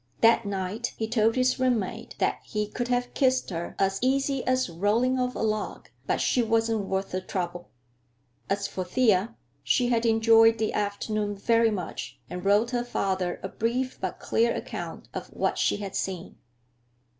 That night he told his roommate that he "could have kissed her as easy as rolling off a log, but she wasn't worth the trouble." As for Thea, she had enjoyed the afternoon very much, and wrote her father a brief but clear account of what she had seen.